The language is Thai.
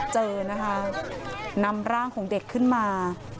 เจอนะคะนำร่างของเด็กขึ้นมา